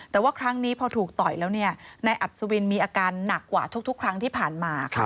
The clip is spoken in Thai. แต่ว่าครั้งนี้พอถูกต่อยแล้วนายอัศวินมีอาการหนักกว่าทุกครั้งที่ผ่านมา